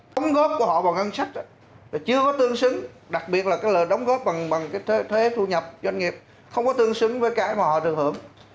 đóng góp của họ vào ngân sách chưa có tương xứng đặc biệt là đóng góp bằng thuế thu nhập doanh nghiệp không có tương xứng với cái mà họ được hưởng